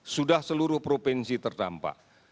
sudah seluruh provinsi terdampak